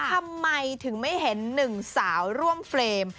ทำไมถึงไม่เห็นหนึ่งสาวร่วมเฟรม